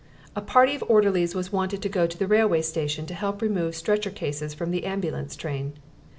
A party of orderlies was wanted to go to the railway station to help to remove stretcher cases from the ambulance train.